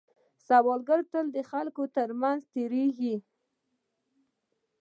سوالګر تل د خلکو تر منځ تېرېږي